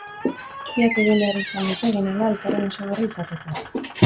Biak egin behar izan dute eginahala elkarren osagarri izateko.